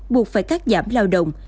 buộc phải cắt giảm lao động